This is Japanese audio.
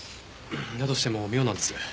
だとしても妙なんです。